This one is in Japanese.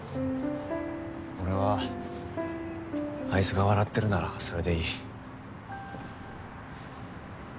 俺はあいつが笑ってるならそれでいい。